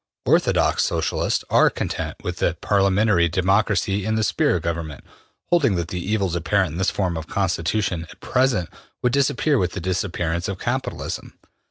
Orthodox Socialists are content with parliamentary democracy in the sphere of government, holding that the evils apparent in this form of constitution at present would disappear with the disappearance of capitalism.